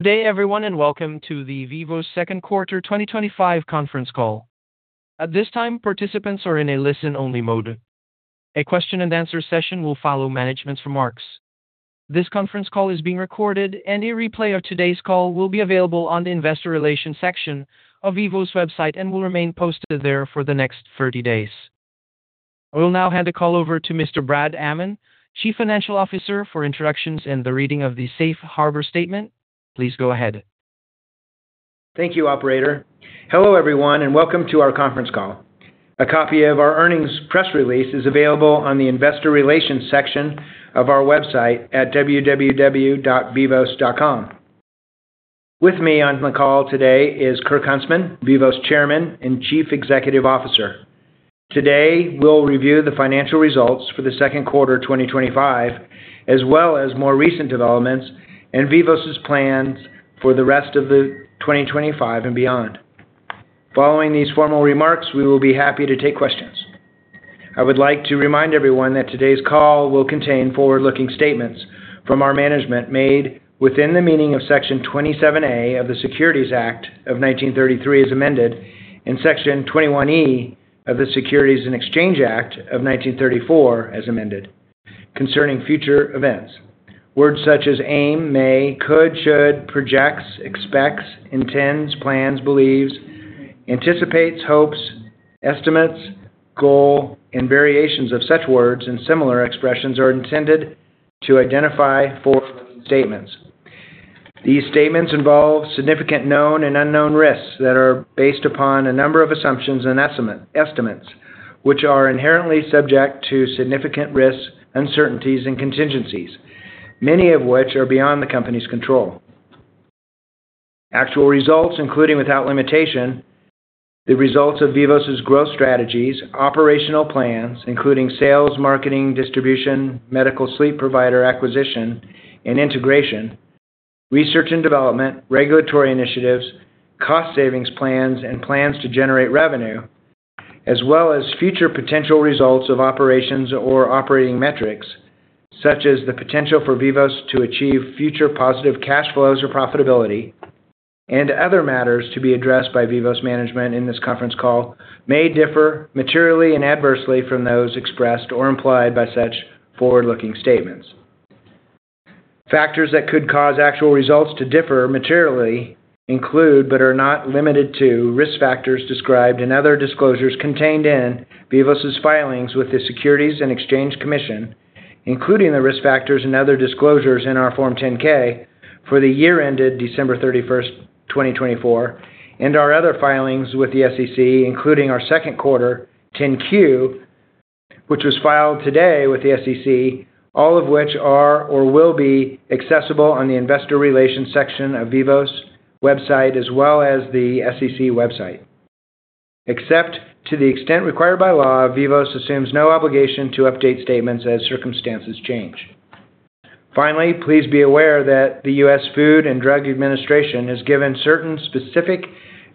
Good day everyone and welcome to the Vivos Second Quarter 2025 Conference Call. At this time, participants are in a listen-only mode. A question and answer session will follow management's remarks. This conference call is being recorded, and a replay of today's call will be available on the Investor Relations section of Vivos' website and will remain posted there for the next 30 days. I will now hand the call over to Mr. Brad Amman, Chief Financial Officer, for introductions and the reading of the Safe Harbor Statement. Please go ahead. Thank you, Operator. Hello everyone and welcome to our conference call. A copy of our earnings press release is available on the Investor Relations section of our website at www.vivos.com. With me on the call today is Kirk Huntsman, Vivos Chairman and Chief Executive Officer. Today, we'll review the financial results for the second quarter 2025, as well as more recent developments and Vivos' plans for the rest of 2025 and beyond. Following these formal remarks, we will be happy to take questions. I would like to remind everyone that today's call will contain forward-looking statements from our management made within the meaning of Section 27A of the Securities Act of 1933 as amended, and Section 21E of the Securities and Exchange Act of 1934 as amended. Concerning future events, words such as aim, may, could, should, projects, expects, intends, plans, believes, anticipates, hopes, estimates, goal, and variations of such words and similar expressions are intended to identify forward-looking statements. These statements involve significant known and unknown risks that are based upon a number of assumptions and estimates, which are inherently subject to significant risks, uncertainties, and contingencies, many of which are beyond the company's control. Actual results, including without limitation, the results of Vivos' growth strategies, operational plans, including sales, marketing, distribution, medical sleep provider acquisition and integration, research and development, regulatory initiatives, cost savings plans, and plans to generate revenue, as well as future potential results of operations or operating metrics, such as the potential for Vivos to achieve future positive cash flows or profitability, and other matters to be addressed by Vivos management in this conference call may differ materially and adversely from those expressed or implied by such forward-looking statements. Factors that could cause actual results to differ materially include, but are not limited to, risk factors described in other disclosures contained in Vivos' filings with the Securities and Exchange Commission, including the risk factors and other disclosures in our Form 10-K for the year ended December 31st, 2024, and our other filings with the SEC, including our second quarter 10-Q, which was filed today with the SEC, all of which are or will be accessible on the Investor Relations section of Vivos' website, as well as the SEC website. Except to the extent required by law, Vivos assumes no obligation to update statements as circumstances change. Finally, please be aware that the U.S. Food and Drug Administration has given certain specific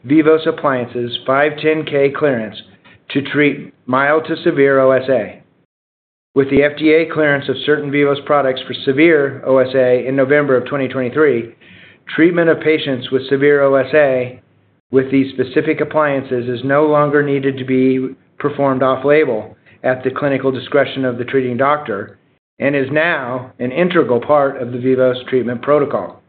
Vivos appliances 510(k) clearance to treat mild to severe OSA. With the FDA clearance of certain Vivos products for severe OSA in November of 2023, treatment of patients with severe OSA with these specific appliances is no longer needed to be performed off-label at the clinical discretion of the treating doctor and is now an integral part of the Vivos treatment protocol.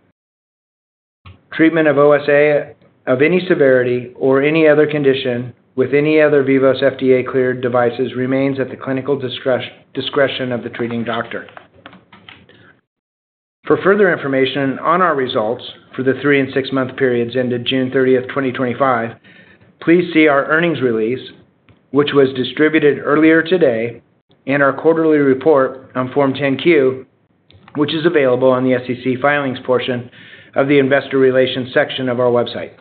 Treatment of OSA of any severity or any other condition with any other Vivos FDA-cleared devices remains at the clinical discretion of the treating doctor. For further information on our results for the three and six-month periods ended June 30th, 2025, please see our earnings release, which was distributed earlier today, and our quarterly report on Form 10-Q, which is available on the SEC filings portion of the Investor Relations section of our website.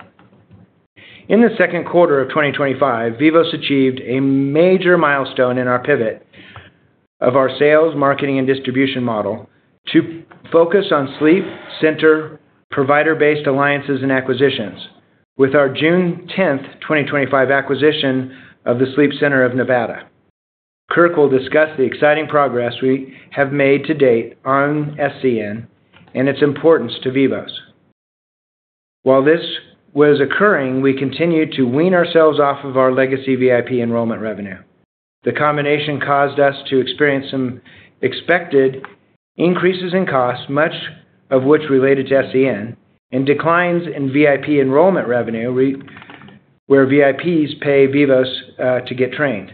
In the second quarter of 2025, Vivos achieved a major milestone in our pivot of our sales, marketing, and distribution model to focus on sleep center provider-based alliances and acquisitions. With our June 10th, 2025 acquisition of the Sleep Center of Nevada, Kirk will discuss the exciting progress we have made to date on SCN and its importance to Vivos. While this was occurring, we continued to wean ourselves off of our legacy VIP enrollment revenue. The combination caused us to experience some expected increases in costs, much of which related to SCN, and declines in VIP enrollment revenue, where VIPs pay Vivos to get trained.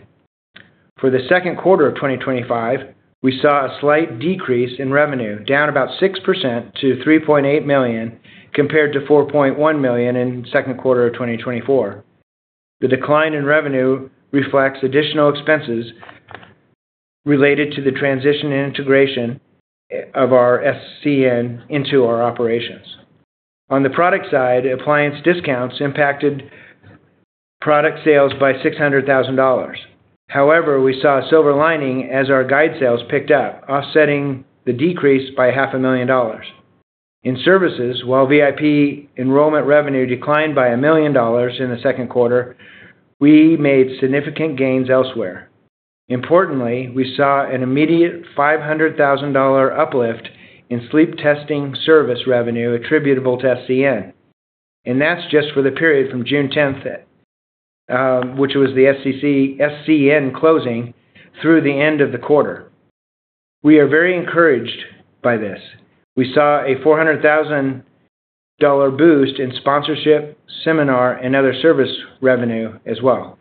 For the second quarter of 2025, we saw a slight decrease in revenue, down about 6% to $3.8 million compared to $4.1 million in the second quarter of 2024. The decline in revenue reflects additional expenses related to the transition and integration of our SCN into our operations. On the product side, appliance discounts impacted product sales by $600,000. However, we saw a silver lining as our guide sales picked up, offsetting the decrease by $500,000. In services, while VIP enrollment revenue declined by $1 million in the second quarter, we made significant gains elsewhere. Importantly, we saw an immediate $500,000 uplift in sleep testing service revenue attributable to SCN. That is just for the period from June 10th, which was the SCN closing, through the end of the quarter. We are very encouraged by this. We saw a $400,000 boost in sponsorship, seminar, and other service revenue as well.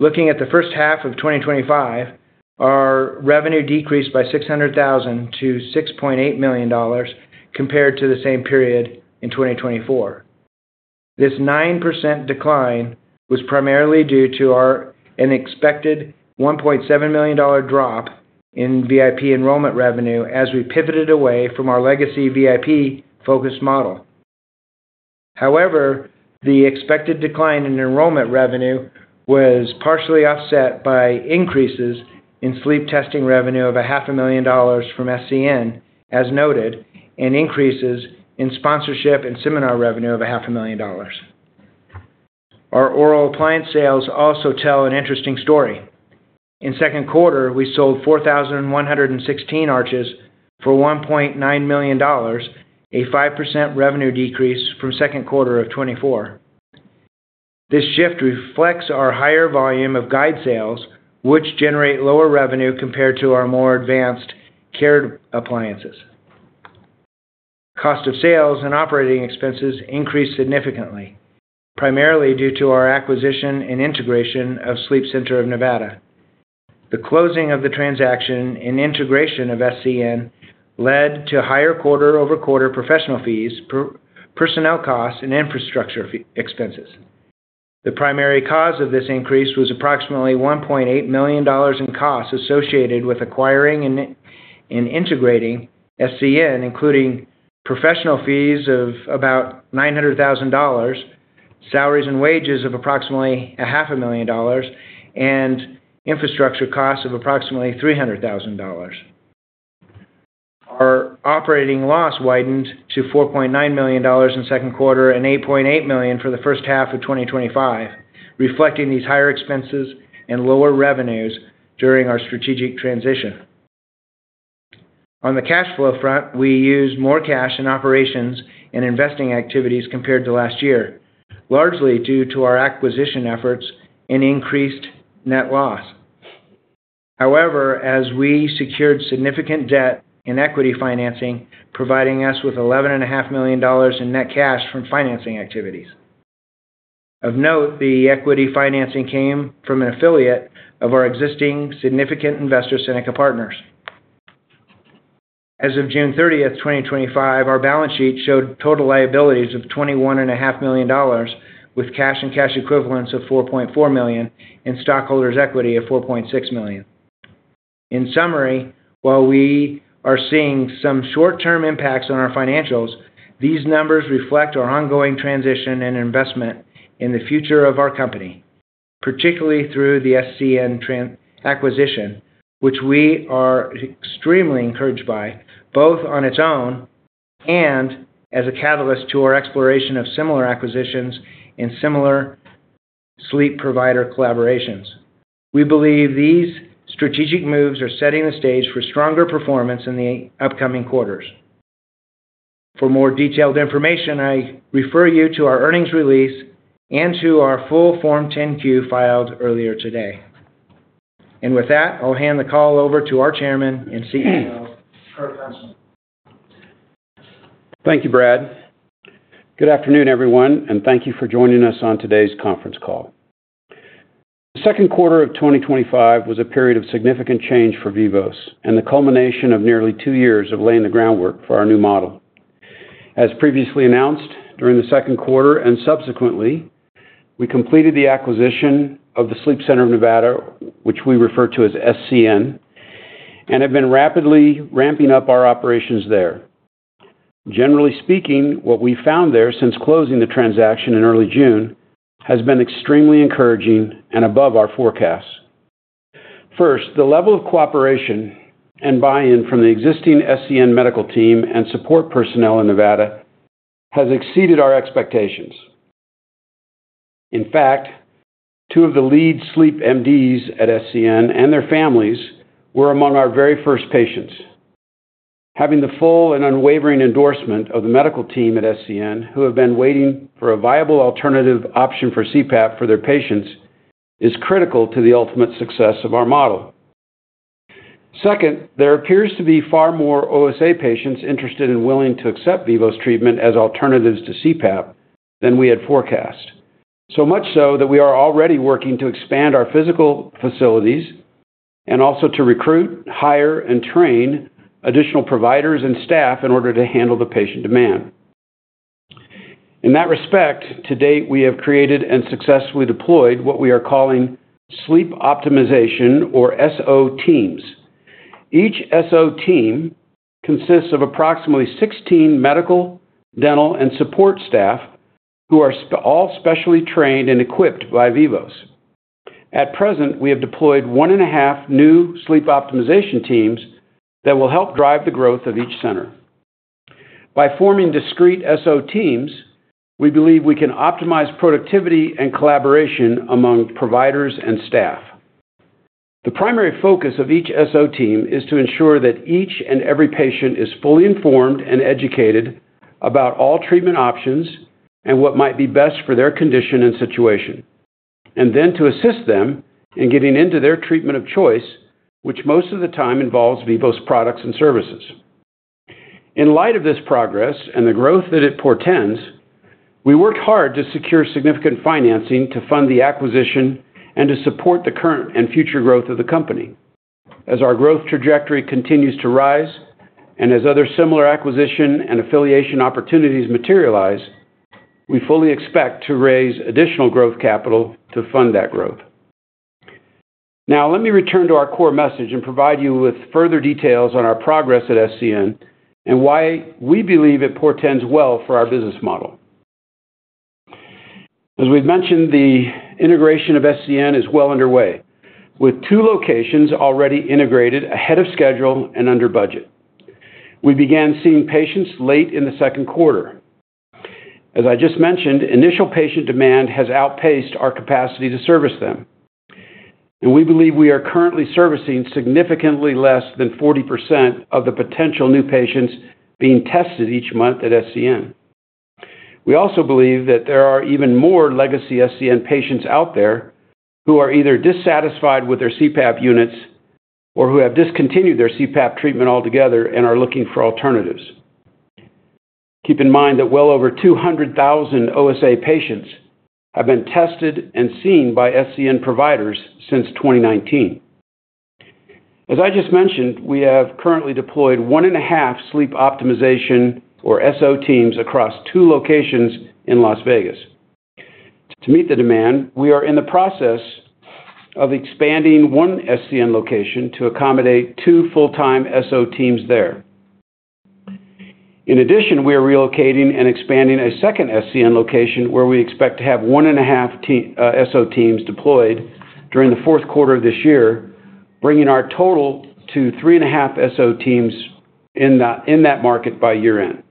Looking at the first half of 2025, our revenue decreased by $600,000 to $6.8 million compared to the same period in 2024. This 9% decline was primarily due to an expected $1.7 million drop in VIP enrollment revenue as we pivoted away from our legacy VIP-focused model. However, the expected decline in enrollment revenue was partially offset by increases in sleep testing revenue of $500,000 from SCN, as noted, and increases in sponsorship and seminar revenue of $500,000. Our oral appliance sales also tell an interesting story. In the second quarter, we sold 4,116 arches for $1.9 million, a 5% revenue decrease from the second quarter of 2024. This shift reflects our higher volume of guide sales, which generate lower revenue compared to our more advanced C.A.R.E. appliances. Cost of sales and operating expenses increased significantly, primarily due to our acquisition and integration of Sleep Center of Nevada. The closing of the transaction and integration of SCN led to higher quarter-over-quarter professional fees, personnel costs, and infrastructure expenses. The primary cause of this increase was approximately $1.8 million in costs associated with acquiring and integrating SCN, including professional fees of about $900,000, salaries and wages of approximately $500,000, and infrastructure costs of approximately $300,000. Our operating loss widened to $4.9 million in the second quarter and $8.8 million for the first half of 2025, reflecting these higher expenses and lower revenues during our strategic transition. On the cash flow front, we used more cash in operations and investing activities compared to last year, largely due to our acquisition efforts and increased net loss. However, we secured significant debt and equity financing, providing us with $11.5 million in net cash from financing activities. Of note, the equity financing came from an affiliate of our existing significant investor Seneca Partners. As of June 30th, 2025, our balance sheet showed total liabilities of $21.5 million with cash and cash equivalents of $4.4 million and stockholders' equity of $4.6 million. In summary, while we are seeing some short-term impacts on our financials, these numbers reflect our ongoing transition and investment in the future of our company, particularly through the SCN acquisition, which we are extremely encouraged by, both on its own and as a catalyst to our exploration of similar acquisitions and similar sleep provider collaborations. We believe these strategic moves are setting the stage for stronger performance in the upcoming quarters. For more detailed information, I refer you to our earnings release and to our full Form 10-Q filed earlier today. With that, I'll hand the call over to our Chairman and CEO. Thank you, Brad. Good afternoon, everyone, and thank you for joining us on today's conference call. The second quarter of 2025 was a period of significant change for Vivos and the culmination of nearly two years of laying the groundwork for our new model. As previously announced, during the second quarter and subsequently, we completed the acquisition of the Sleep Center of Nevada, which we refer to as SCN, and have been rapidly ramping up our operations there. Generally speaking, what we found there since closing the transaction in early June has been extremely encouraging and above our forecasts. First, the level of cooperation and buy-in from the existing SCN medical team and support personnel in Nevada has exceeded our expectations. In fact, two of the lead sleep MDs at SCN and their families were among our very first patients. Having the full and unwavering endorsement of the medical team at SCN, who have been waiting for a viable alternative option for CPAP for their patients, is critical to the ultimate success of our model. Second, there appears to be far more OSA patients interested and willing to accept Vivos treatment as alternatives to CPAP than we had forecast, so much so that we are already working to expand our physical facilities and also to recruit, hire, and train additional providers and staff in order to handle the patient demand. In that respect, to date, we have created and successfully deployed what we are calling sleep optimization or SO teams. Each SO team consists of approximately 16 medical, dental, and support staff who are all specially trained and equipped by Vivos. At present, we have deployed one and a half new sleep optimization teams that will help drive the growth of each center. By forming discrete SO teams, we believe we can optimize productivity and collaboration among providers and staff. The primary focus of each SO team is to ensure that each and every patient is fully informed and educated about all treatment options and what might be best for their condition and situation, and then to assist them in getting into their treatment of choice, which most of the time involves Vivos products and services. In light of this progress and the growth that it portends, we worked hard to secure significant financing to fund the acquisition and to support the current and future growth of the company. As our growth trajectory continues to rise and as other similar acquisition and affiliation opportunities materialize, we fully expect to raise additional growth capital to fund that growth. Now, let me return to our core message and provide you with further details on our progress at SCN and why we believe it portends well for our business model. As we've mentioned, the integration of SCN is well underway, with two locations already integrated ahead of schedule and under budget. We began seeing patients late in the second quarter. As I just mentioned, initial patient demand has outpaced our capacity to service them, and we believe we are currently servicing significantly less than 40% of the potential new patients being tested each month at SCN. We also believe that there are even more legacy SCN patients out there who are either dissatisfied with their CPAP units or who have discontinued their CPAP treatment altogether and are looking for alternatives. Keep in mind that well over 200,000 OSA patients have been tested and seen by SCN providers since 2019. As I just mentioned, we have currently deployed one and a half sleep optimization or SO teams across two locations in Las Vegas. To meet the demand, we are in the process of expanding one SCN location to accommodate two full-time SO teams there. In addition, we are relocating and expanding a second SCN location where we expect to have one and a half SO teams deployed during the fourth quarter of this year, bringing our total to three and a half SO teams in that market by year-end.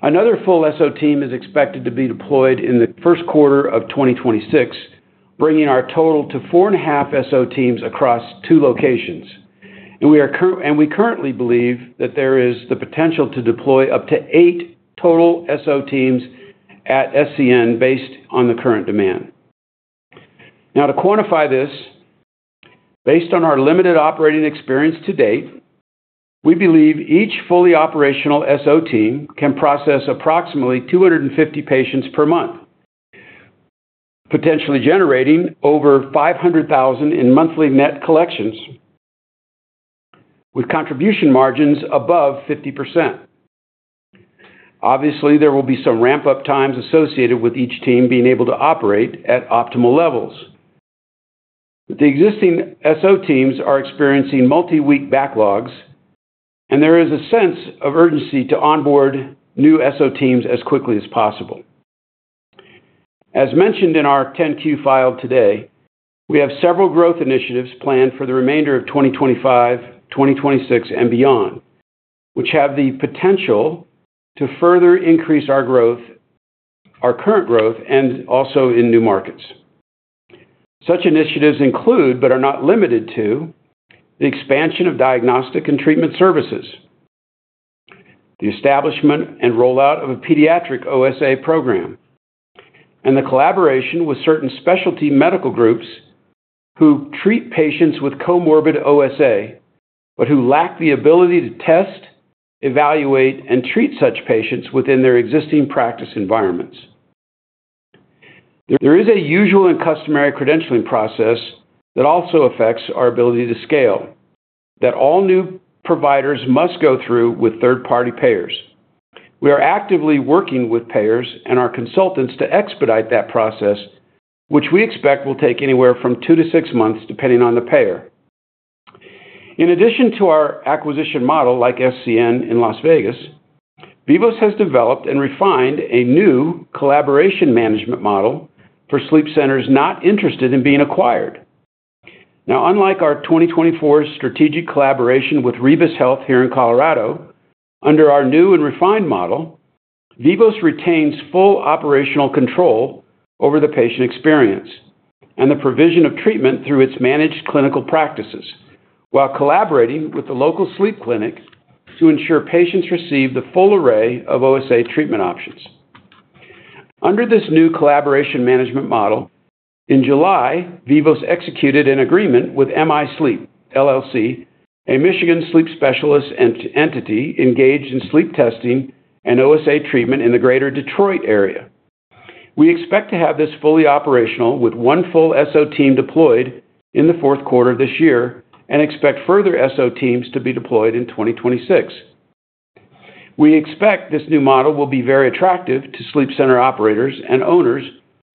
Another full SO team is expected to be deployed in the first quarter of 2026, bringing our total to four and a half SO teams across two locations. We currently believe that there is the potential to deploy up to eight total SO teams at SCN based on the current demand. Now, to quantify this, based on our limited operating experience to date, we believe each fully operational SO team can process approximately 250 patients per month, potentially generating over $500,000 in monthly net collections with contribution margins above 50%. Obviously, there will be some ramp-up times associated with each team being able to operate at optimal levels. The existing SO teams are experiencing multi-week backlogs, and there is a sense of urgency to onboard new SO teams as quickly as possible. As mentioned in our 10-Q file today, we have several growth initiatives planned for the remainder of 2025, 2026, and beyond, which have the potential to further increase our growth, our current growth, and also in new markets. Such initiatives include, but are not limited to, the expansion of diagnostic and treatment services, the establishment and rollout of a pediatric OSA program, and the collaboration with certain specialty medical groups who treat patients with comorbid OSA, but who lack the ability to test, evaluate, and treat such patients within their existing practice environments. There is a usual and customary credentialing process that also affects our ability to scale that all new providers must go through with third-party payers. We are actively working with payers and our consultants to expedite that process, which we expect will take anywhere from two to six months, depending on the payer. In addition to our acquisition model, like SCN in Las Vegas, Vivos has developed and refined a new collaboration management model for sleep centers not interested in being acquired. Now, unlike our 2024 strategic collaboration with Rebis Health here in Colorado, under our new and refined model, Vivos retains full operational control over the patient experience and the provision of treatment through its managed clinical practices, while collaborating with the local sleep clinic to ensure patients receive the full array of OSA treatment options. Under this new collaboration management model, in July, Vivos executed an agreement with MISleep LLC, a Michigan sleep specialist entity engaged in sleep testing and OSA treatment in the greater Detroit area. We expect to have this fully operational with one full SO team deployed in the fourth quarter of this year and expect further SO teams to be deployed in 2026. We expect this new model will be very attractive to sleep center operators and owners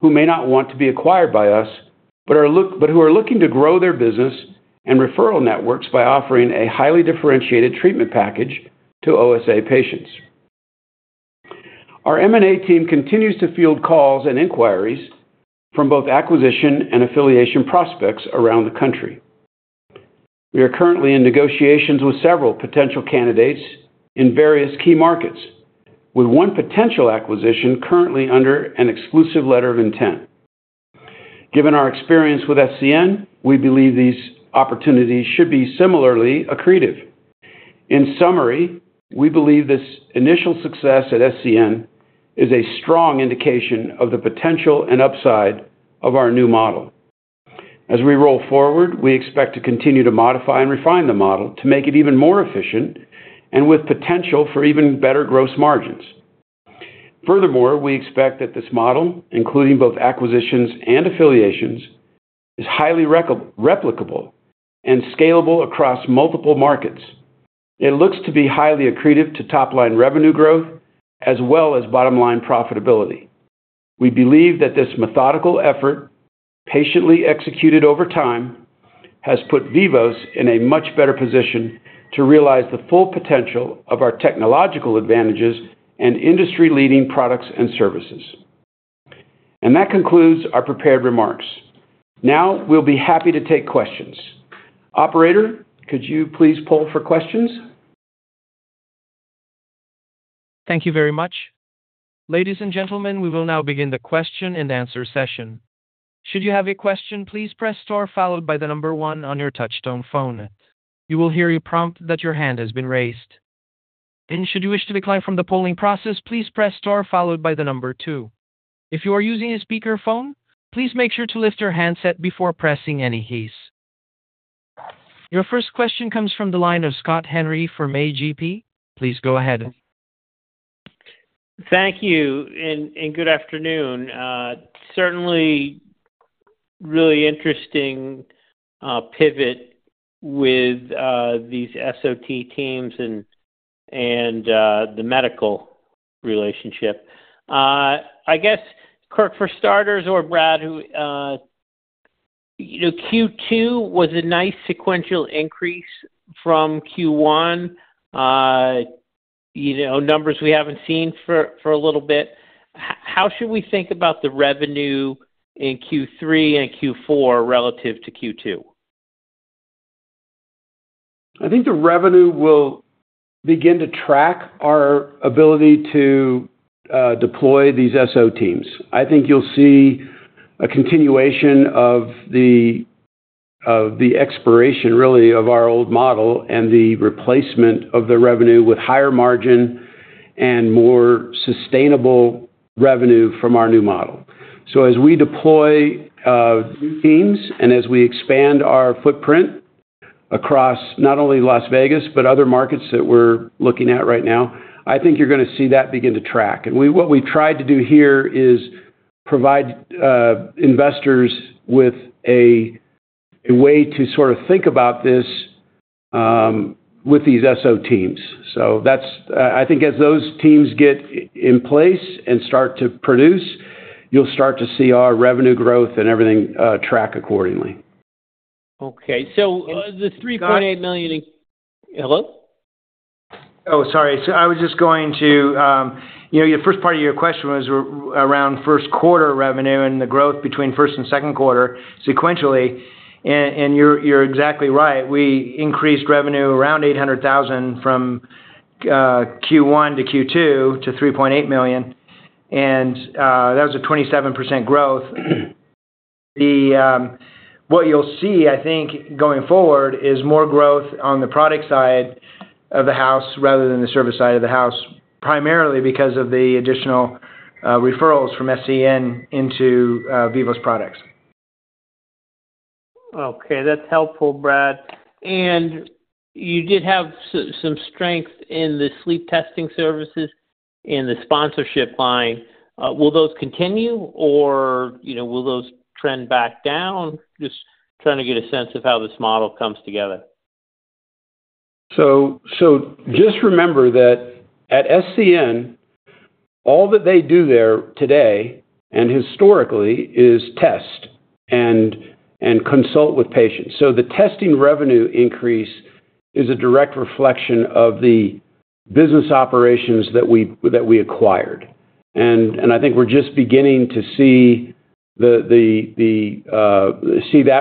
who may not want to be acquired by us, but who are looking to grow their business and referral networks by offering a highly differentiated treatment package to OSA patients. Our M&A team continues to field calls and inquiries from both acquisition and affiliation prospects around the country. We are currently in negotiations with several potential candidates in various key markets, with one potential acquisition currently under an exclusive letter of intent. Given our experience with SCN, we believe these opportunities should be similarly accretive. In summary, we believe this initial success at SCN is a strong indication of the potential and upside of our new model. As we roll forward, we expect to continue to modify and refine the model to make it even more efficient and with potential for even better gross margins. Furthermore, we expect that this model, including both acquisitions and affiliations, is highly replicable and scalable across multiple markets. It looks to be highly accretive to top-line revenue growth as well as bottom-line profitability. We believe that this methodical effort, patiently executed over time, has put Vivos in a much better position to realize the full potential of our technological advantages and industry-leading products and services. That concludes our prepared remarks. Now, we'll be happy to take questions. Operator, could you please poll for questions? Thank you very much. Ladies and gentlemen, we will now begin the question and answer session. Should you have a question, please press star followed by the number one on your touch-tone phone. You will hear a prompt that your hand has been raised. Should you wish to decline from the polling process, please press star followed by the number two. If you are using a speaker phone, please make sure to lift your handset before pressing any keys. Your first question comes from the line of Scott Henry from AGP. Please go ahead. Thank you and good afternoon. Certainly really interesting pivot with these SOT teams and the medical relationship. I guess, Kirk, for starters, or Brad, Q2 was a nice sequential increase from Q1, numbers we haven't seen for a little bit. How should we think about the revenue in Q3 and Q4 relative to Q2? I think the revenue will begin to track our ability to deploy these SO teams. I think you'll see a continuation of the expiration, really, of our old model and the replacement of the revenue with higher margin and more sustainable revenue from our new model. As we deploy teams and as we expand our footprint across not only Las Vegas, but other markets that we're looking at right now, I think you're going to see that begin to track. What we've tried to do here is provide investors with a way to sort of think about this with these SO teams. I think as those teams get in place and start to produce, you'll start to see our revenue growth and everything track accordingly. Okay. The $3.8 million. Hello? Sorry. I was just going to, you know, the first part of your question was around first quarter revenue and the growth between first and second quarter sequentially. You're exactly right. We increased revenue around $800,000 from Q1 to Q2 to $3.8 million. That was a 27% growth. What you'll see, I think, going forward is more growth on the product side of the house rather than the service side of the house, primarily because of the additional referrals from SCN into Vivos products. Okay, that's helpful, Brad. You did have some strength in the sleep testing service and the sponsorship line. Will those continue or will those trend back down? Just trying to get a sense of how this model comes together. Remember that at SCN, all that they do there today and historically is test and consult with patients. The testing revenue increase is a direct reflection of the business operations that we acquired. I think we're just beginning to see that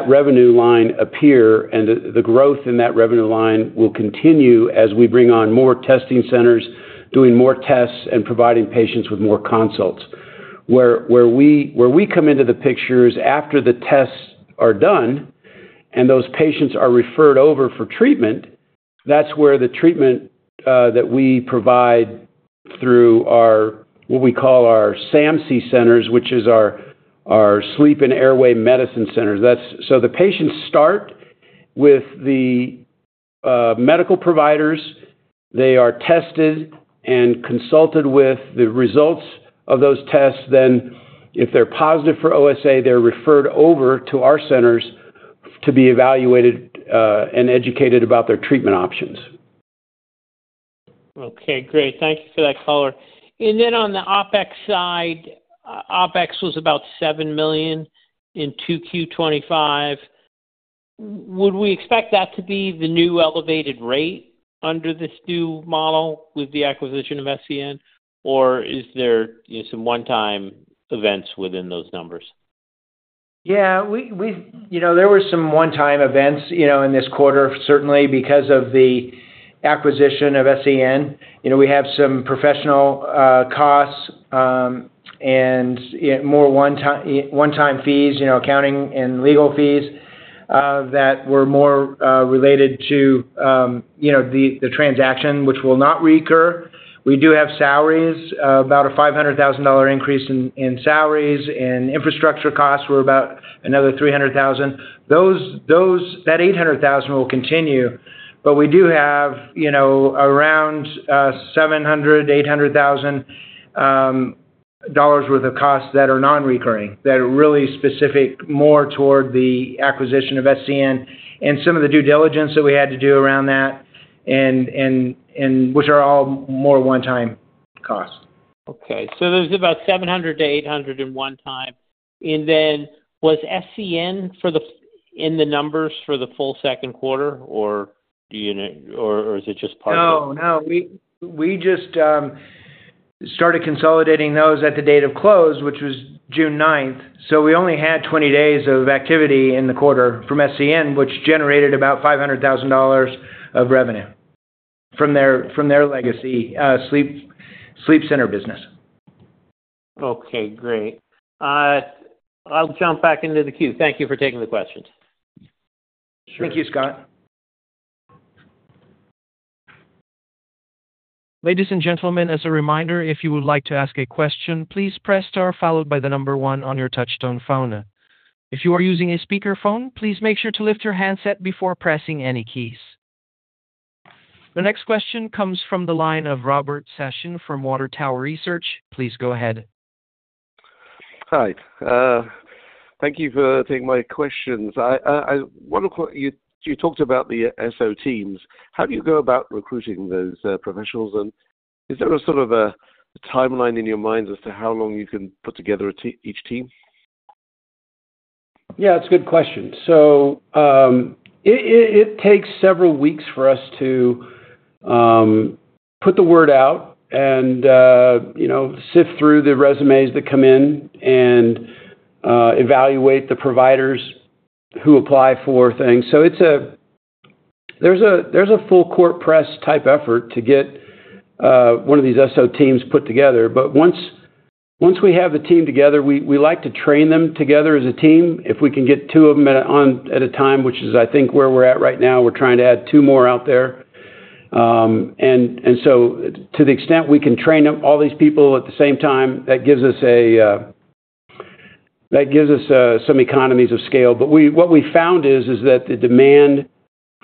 revenue line appear, and the growth in that revenue line will continue as we bring on more testing centers, doing more tests and providing patients with more consults. Where we come into the picture is after the tests are done and those patients are referred over for treatment. That's where the treatment that we provide through what we call our SAMC Centers, which is our Sleep and Airway Medicine Centers. The patients start with the medical providers, they are tested and consulted with the results of those tests. If they're positive for OSA, they're referred over to our centers to be evaluated and educated about their treatment options. Okay, great. Thank you for that color. On the OpEx side, OpEx was about $7 million in Q2 2025. Would we expect that to be the new elevated rate under this new model with the acquisition of SCN, or is there some one-time events within those numbers? Yeah, there were some one-time events in this quarter, certainly because of the acquisition of SCN. We have some professional costs and more one-time fees, accounting and legal fees that were more related to the transaction, which will not reoccur. We do have salaries, about a $500,000 increase in salaries, and infrastructure costs were about another $300,000. That $800,000 will continue, but we do have around $700,000-$800,000 worth of costs that are non-reoccurring, that are really specific more toward the acquisition of SCN and some of the due diligence that we had to do around that, which are all more one-time costs. Okay, so there's about $700,000-$800,000 in one time. Was SCN in the numbers for the full second quarter, or do you know, or is it just part of it? We just started consolidating those at the date of close, which was June 9, 2025. We only had 20 days of activity in the quarter from SCN, which generated about $500,000 of revenue from their legacy sleep center business. Okay, great. I'll jump back into the queue. Thank you for taking the questions. Thank you, Scott. Ladies and gentlemen, as a reminder, if you would like to ask a question, please press star followed by the number one on your touch-tone phone. If you are using a speakerphone, please make sure to lift your handset before pressing any keys. The next question comes from the line of Robert Sassoon from Water Tower Research. Please go ahead. Hi. Thank you for taking my questions. I wonder if you talked about the SO teams. How do you go about recruiting those professionals? Is there a sort of a timeline in your mind as to how long you can put together each team? Yeah, that's a good question. It takes several weeks for us to put the word out and sift through the resumes that come in and evaluate the providers who apply for things. There is a full court press type effort to get one of these SO teams put together. Once we have the team together, we like to train them together as a team. If we can get two of them at a time, which is, I think, where we're at right now, we're trying to add two more out there. To the extent we can train all these people at the same time, that gives us some economies of scale. What we found is that the demand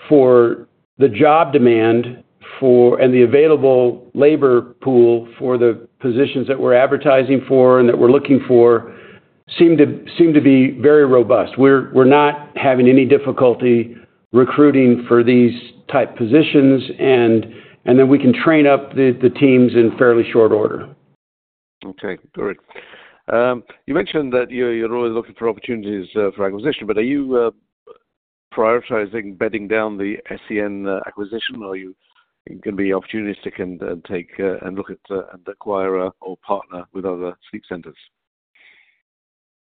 for the job demand and the available labor pool for the positions that we're advertising for and that we're looking for seem to be very robust. We're not having any difficulty recruiting for these type positions, and then we can train up the teams in fairly short order. Okay, great. You mentioned that you're really looking for opportunities for acquisition, but are you prioritizing bedding down the SCN acquisition, or are you going to be opportunistic and look at acquire or partner with other sleep centers?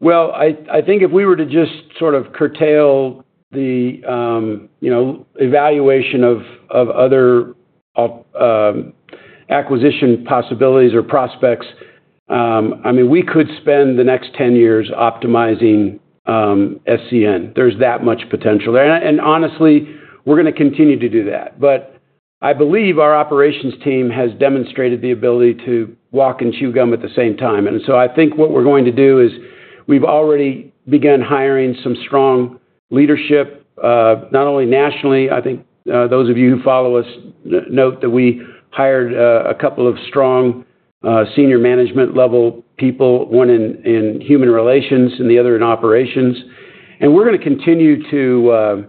If we were to just sort of curtail the evaluation of other acquisition possibilities or prospects, I mean, we could spend the next 10 years optimizing SCN. There's that much potential there. Honestly, we're going to continue to do that. I believe our operations team has demonstrated the ability to walk and chew gum at the same time. I think what we're going to do is we've already begun hiring some strong leadership, not only nationally. I think those of you who follow us note that we hired a couple of strong senior management-level people, one in Human Relations and the other in Operations. We're going to continue to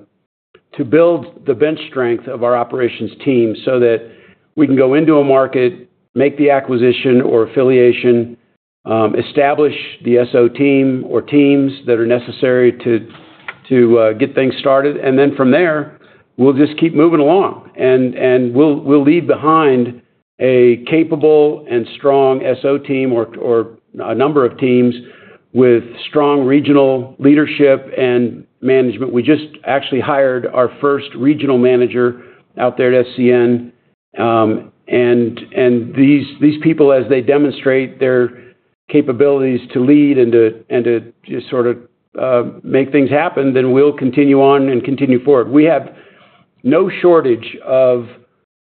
build the bench strength of our operations team so that we can go into a market, make the acquisition or affiliation, establish the SO team or teams that are necessary to get things started. From there, we'll just keep moving along. We'll leave behind a capable and strong SO team or a number of teams with strong regional leadership and management. We just actually hired our first Regional Manager out there at SCN. These people, as they demonstrate their capabilities to lead and to just sort of make things happen, then we'll continue on and continue forward. We have no shortage of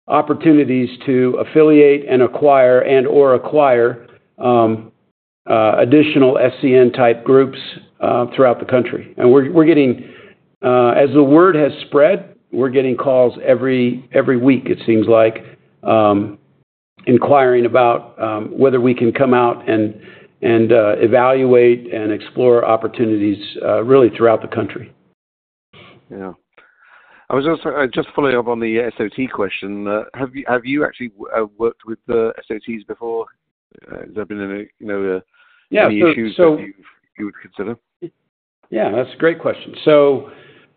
opportunities to affiliate and acquire and/or acquire additional SCN-type groups throughout the country. As the word has spread, we're getting calls every week, it seems like, inquiring about whether we can come out and evaluate and explore opportunities really throughout the country. Yeah, I was also just following up on the SOT question. Have you actually worked with the SOTs before? Has there been any issues that you would consider? Yeah, that's a great question.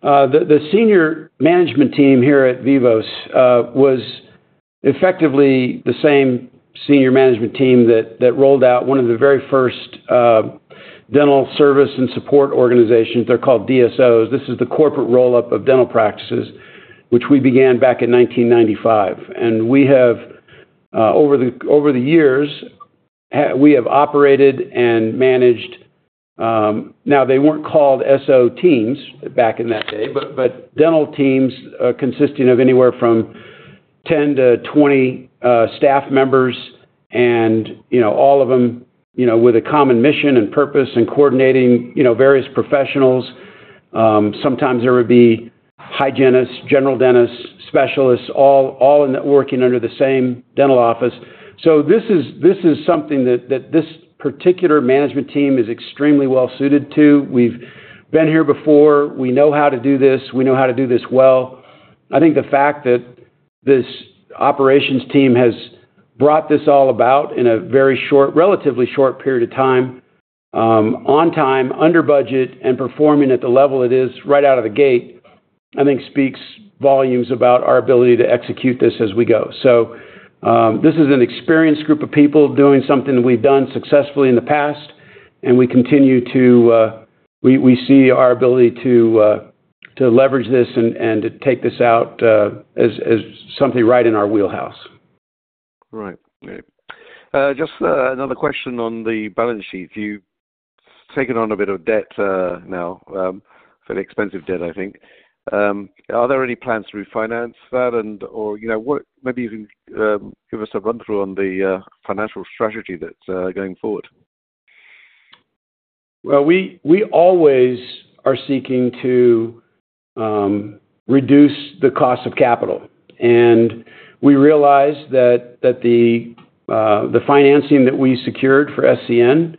The senior management team here at Vivos was effectively the same senior management team that rolled out one of the very first dental service and support organizations. They're called DSOs. This is the corporate roll-up of dental practices, which we began back in 1995. Over the years, we have operated and managed. They weren't called SO teams back in that day, but dental teams consisting of anywhere from 10-20 staff members, all of them with a common mission and purpose and coordinating various professionals. Sometimes there would be hygienists, general dentists, specialists, all working under the same dental office. This is something that this particular management team is extremely well suited to. We've been here before. We know how to do this. We know how to do this well. I think the fact that this operations team has brought this all about in a relatively short period of time, on time, under budget, and performing at the level it is right out of the gate, I think speaks volumes about our ability to execute this as we go. This is an experienced group of people doing something we've done successfully in the past, and we continue to, we see our ability to leverage this and to take this out as something right in our wheelhouse. Right. Just another question on the balance sheet. You've taken on a bit of debt now, fairly expensive debt, I think. Are there any plans to refinance that, or, you know, maybe you can give us a run-through on the financial strategy that's going forward? We are always seeking to reduce the cost of capital. We realize that the financing that we secured for SCN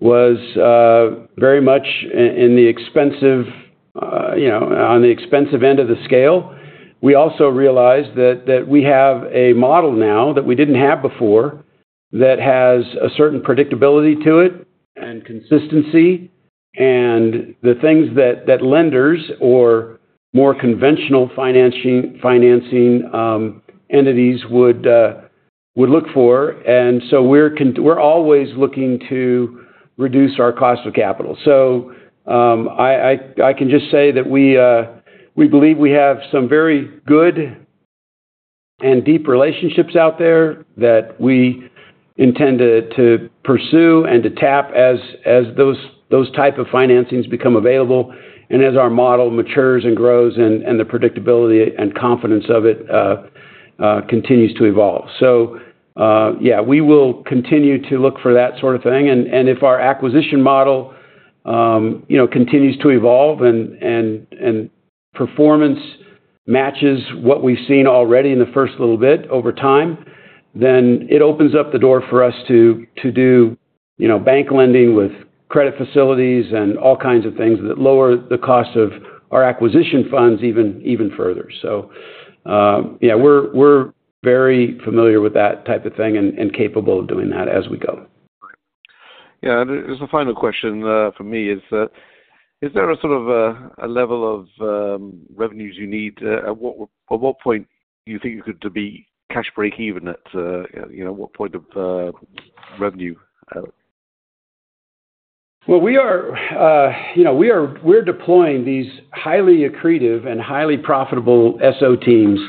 was very much on the expensive end of the scale. We also realize that we have a model now that we didn't have before that has a certain predictability to it and consistency and the things that lenders or more conventional financing entities would look for. We are always looking to reduce our cost of capital. I can just say that we believe we have some very good and deep relationships out there that we intend to pursue and to tap as those types of financings become available and as our model matures and grows and the predictability and confidence of it continues to evolve. We will continue to look for that sort of thing. If our acquisition model continues to evolve and performance matches what we've seen already in the first little bit over time, then it opens up the door for us to do bank lending with credit facilities and all kinds of things that lower the cost of our acquisition funds even further. We are very familiar with that type of thing and capable of doing that as we go. Yeah, there's a final question for me. Is there a sort of a level of revenues you need? At what point do you think you could be cash break even at, you know, what point of revenue? We are deploying these highly accretive and highly profitable SO teams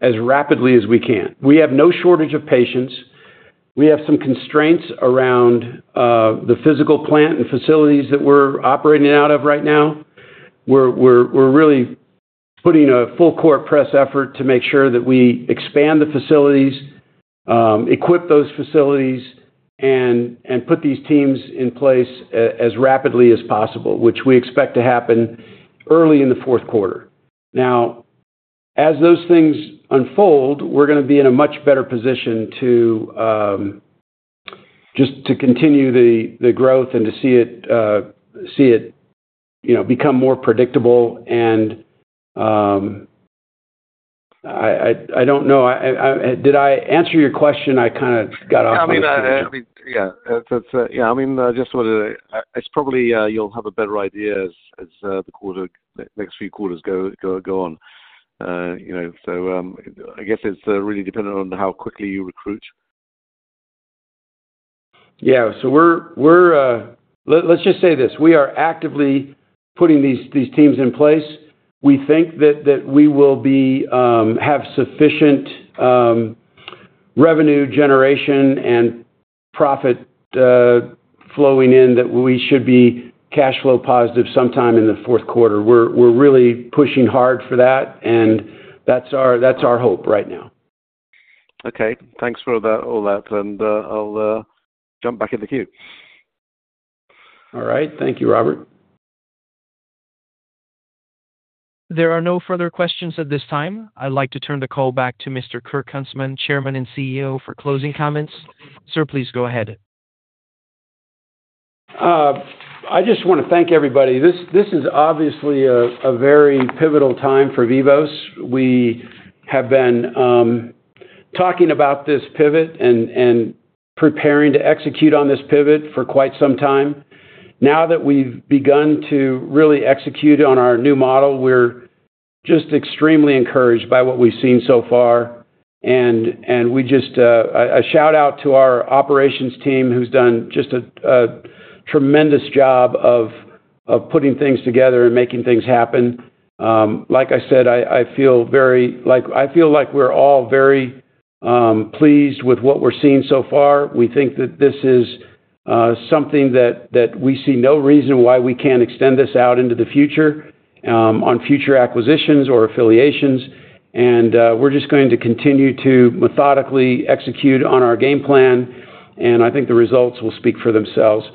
as rapidly as we can. We have no shortage of patients. We have some constraints around the physical plant and facilities that we're operating out of right now. We're really putting a full court press effort to make sure that we expand the facilities, equip those facilities, and put these teams in place as rapidly as possible, which we expect to happen early in the fourth quarter. As those things unfold, we're going to be in a much better position just to continue the growth and to see it become more predictable. I don't know, did I answer your question? I kind of got off the. I just wanted to, you'll have a better idea as the next few quarters go on. I guess it's really dependent on how quickly you recruit. We're actively putting these teams in place. We think that we will have sufficient revenue generation and profit flowing in that we should be cash flow positive sometime in the fourth quarter. We're really pushing hard for that, and that's our hope right now. Okay, thanks for all that. I'll jump back in the queue. All right, thank you, Robert. There are no further questions at this time. I'd like to turn the call back to Mr. Kirk Huntsman, Chairman and CEO, for closing comments. Sir, please go ahead. I just want to thank everybody. This is obviously a very pivotal time for Vivos. We have been talking about this pivot and preparing to execute on this pivot for quite some time. Now that we've begun to really execute on our new model, we're just extremely encouraged by what we've seen so far. A shout out to our operations team who's done just a tremendous job of putting things together and making things happen. I feel like we're all very pleased with what we're seeing so far. We think that this is something that we see no reason why we can't extend this out into the future on future acquisitions or affiliations. We're just going to continue to methodically execute on our game plan, and I think the results will speak for themselves.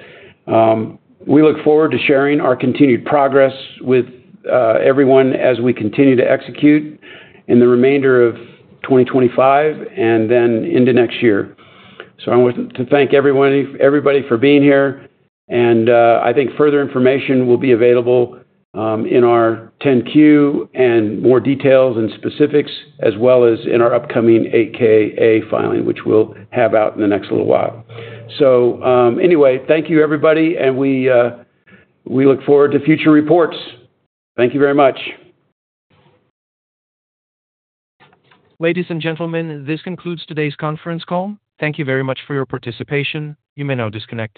We look forward to sharing our continued progress with everyone as we continue to execute in the remainder of 2025 and then into next year. I want to thank everybody for being here, and I think further information will be available in our 10-Q and more details and specifics, as well as in our upcoming 8-KA filing, which we'll have out in the next little while. Thank you, everybody, and we look forward to future reports. Thank you very much. Ladies and gentlemen, this concludes today's conference call. Thank you very much for your participation. You may now disconnect.